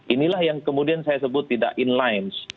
inilah yang kemudian saya sebut tidak in line